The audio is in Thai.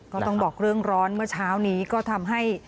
ก็ต้องบอกเรื่องร้อนเมื่อเช้านี้ก็ทำให้